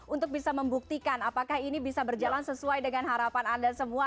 untuk bisa membuktikan apakah ini bisa berjalan sesuai dengan harapan anda semua